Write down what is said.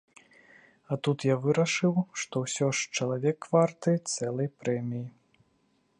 А тут я вырашыў, што ўсё ж чалавек варты цэлай прэміі.